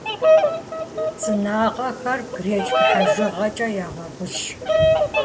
ЦӀынагъэхэр гречкэ хьэжыгъэкӀэ ягъэгъущ.